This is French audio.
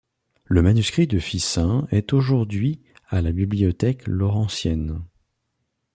Le manuscrit de Ficin est aujourd'hui à la Bibliothèque Laurentienne.